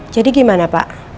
jadi gimana pak